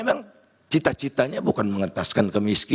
memang cita citanya bukan mengetaskan kemiskinan